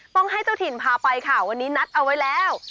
ต้องให้เจ้าถิ่นพาไปค่ะวันนี้นัดเอาไว้แล้ว